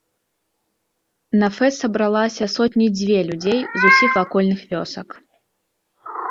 На фэст сабралася сотні дзве людзей з усіх вакольных вёсак.